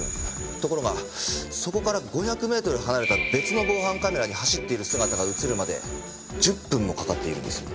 ところがそこから５００メートル離れた別の防犯カメラに走っている姿が映るまで１０分もかかっているんです。